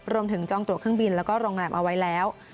จองตัวเครื่องบินแล้วก็โรงแรมเอาไว้แล้ว